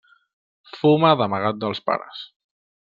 Fuma d'amagat dels pares.